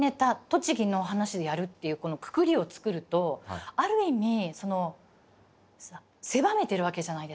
栃木の話でやるっていうこのくくりをつくるとある意味その狭めてるわけじゃないですか。